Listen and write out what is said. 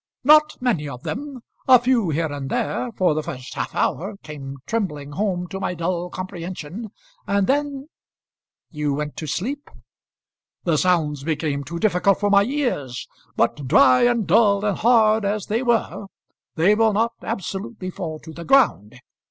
"Not many of them. A few here and there, for the first half hour, came trembling home to my dull comprehension, and then " "You went to sleep." "The sounds became too difficult for my ears; but dry and dull and hard as they were, they will not absolutely fall to the ground.